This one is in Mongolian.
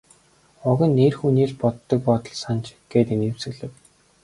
Уг нь эр хүний л боддог бодол санж гээд инээмсэглэв.